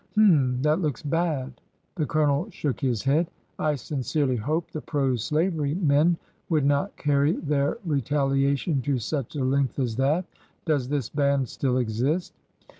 H'm ! That looks bad." The Colonel shook his head. '' I sincerely hope the pro slavery men would not carry their retaliation to such a length as that. Does this band still exist